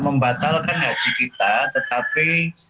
membatalkan haji kita tetapi